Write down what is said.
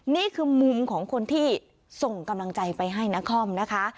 นี่คือมุมของคนที่ส่งกำลังใจไปให้นครนะคะ